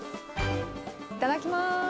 いただきます。